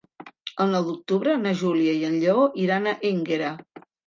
El nou d'octubre na Júlia i en Lleó iran a Énguera.